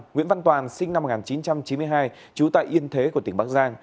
nguyễn văn toàn sinh năm một nghìn chín trăm chín mươi hai trú tại yên thế tp bắc giang